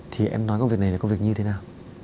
thì em nói công việc này là công việc như thế nào